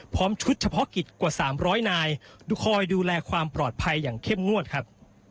ชุดเฉพาะกิจกว่า๓๐๐นายดูคอยดูแลความปลอดภัยอย่างเข้มงวดครับ